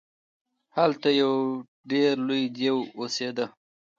هلته یو ډیر لوی دیو اوسیده.